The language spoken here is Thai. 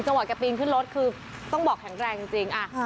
ว่าแกปีนขึ้นรถคือต้องบอกแข็งแรงจริง